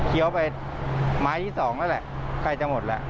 พอเคี้ยวไปไม้ที่๒แล้วแหละใกล้จะหมดแหละ